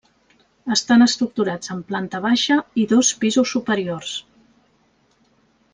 Estan estructurats en planta baixa i dos pisos superiors.